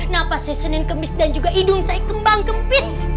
napa saya senin kemis dan juga hidung saya kembang kempis